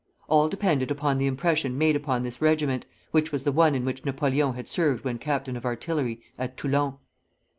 All depended upon the impression made upon this regiment, which was the one in which Napoleon had served when captain of artillery at Toulon.